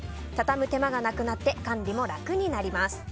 畳む手間がなくなって管理も楽になります。